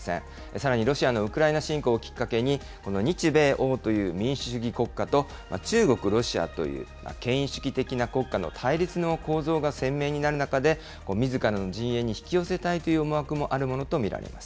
さらにロシアのウクライナ侵攻をきっかけに、この日米欧という民主主義国家と、中国、ロシアという権威主義的な国家の対立の構造が鮮明になる中で、みずからの陣営に引き寄せたいという思惑もあるものと見られます。